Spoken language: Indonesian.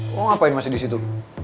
lo ngapain masih disitu